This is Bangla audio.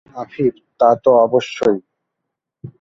আফিফ: তা তো অবশ্যই।